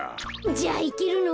じゃあいけるの？